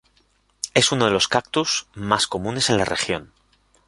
Es uno de los cactus más comunes en la región.